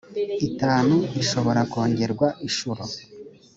itanu ishobora kongerwa inshuro